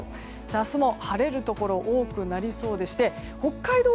明日も晴れるところが多くなりそうでして北海道